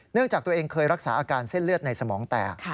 จากตัวเองเคยรักษาอาการเส้นเลือดในสมองแตก